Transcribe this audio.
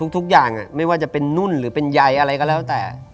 ทุกอย่างไม่ว่าจะเป็นนุ่นหรือเป็นใยอะไรก็แล้วแต่